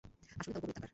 আসলে তা উপবৃত্তকার।